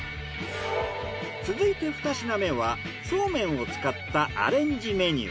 続いて２品目はそうめんを使ったアレンジメニュー。